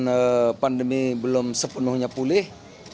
karena pandemi belum sepenuhnya pulih